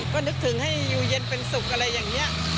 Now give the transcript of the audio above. ก็นึกถึงให้อยู่เย็นเป็นสุขอะไรอย่างนี้